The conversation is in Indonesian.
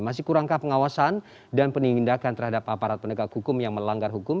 masih kurangkah pengawasan dan penindakan terhadap aparat penegak hukum yang melanggar hukum